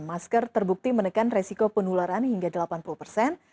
masker terbukti menekan resiko penularan hingga delapan puluh persen